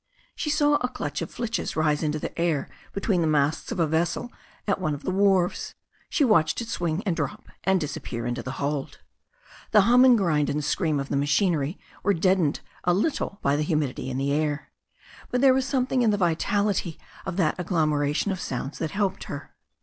She saw a clutch of flitches rise into the air between the masts of a vessel at one of the wharves. She watched it swing and drop and disappear into the hold. The hum and grind and scream of the ma chinery were deadened a little by the humidity in the air. But there was something in the vitality of that agglomera tion of sounds that helped her.